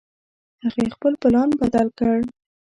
هغې خپل پلان بدل کړ